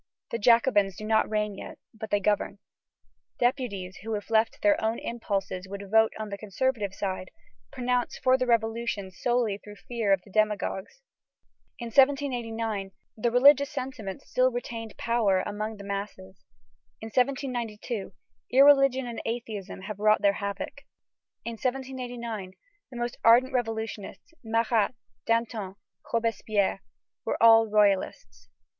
The Jacobins do not reign yet, but they govern. Deputies who, if left to their own impulses, would vote on the conservative side, pronounce for the Revolution solely through fear of the demagogues. In 1789, the religious sentiment still retained power among the masses. In 1792, irreligion and atheism have wrought their havoc. In 1789, the most ardent revolutionists, Marat, Danton, Robespierre, were all royalists.